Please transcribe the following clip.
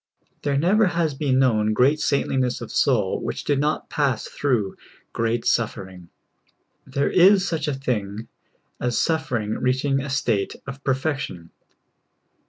There never has been known great saintlincvss of soul which did not pass through great suffering. There is such a thing as suffering reaching a state of perfection.